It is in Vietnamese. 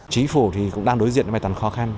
chính phủ cũng đang đối diện với toàn khó khăn